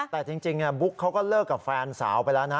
แต่จริงบุ๊กเขาก็เลิกกับแฟนสาวไปแล้วนะ